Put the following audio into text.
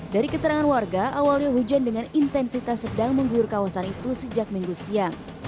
dari keterangan warga awalnya hujan dengan intensitas sedang mengguyur kawasan itu sejak minggu siang